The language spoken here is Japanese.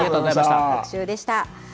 特集でした。